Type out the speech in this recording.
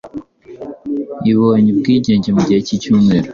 ibonye ubwigenge Mu gihe cy’icyumweru